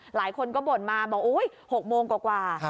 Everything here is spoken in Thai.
หลายคนก็บ่นมาว่า๖โมงกว่า